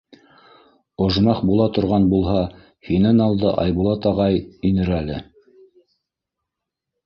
Ожмах була торған булһа, һинән алда Айбулат ағай инер әле.